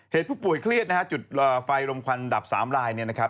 เหตุผู้ป่วยเครียดจุดไฟลมควันดับ๓ลายนะครับ